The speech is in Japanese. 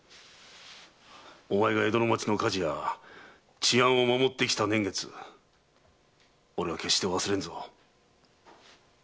お前が江戸の町の火事や治安を守ってきた年月俺は決して忘れんぞ。